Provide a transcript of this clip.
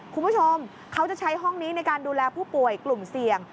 คุณผู้ชมเขาจะใช้ห้องนี้ในการดูแลผู้ป่วยกลุ่มเสี่ยง